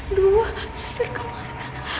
aduh suster ke mana